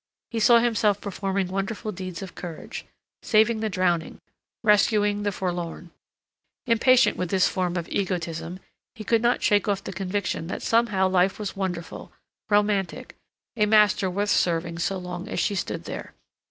He saw himself performing wonderful deeds of courage; saving the drowning, rescuing the forlorn. Impatient with this form of egotism, he could not shake off the conviction that somehow life was wonderful, romantic, a master worth serving so long as she stood there.